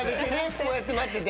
こうやって待ってて。